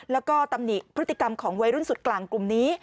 แล้วก็ตำหนิพฤติกรรมของวัยรุ่นสุดกลางกลุ่มนี้